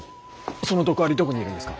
その毒アリどこにいるんですか！？